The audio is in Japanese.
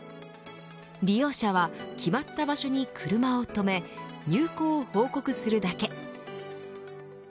利用者は決まった場所に車を止め入庫を報告するだけ。